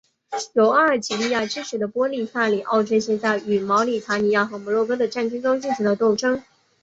由阿尔及利亚支持的波利萨里奥阵线在与毛里塔尼亚和摩洛哥的战争中进行了斗争。